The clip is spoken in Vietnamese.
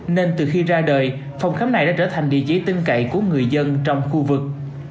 nên từ khi ra đời phòng khám này đã trở thành địa chỉ tin cậy của người dân trong khu vực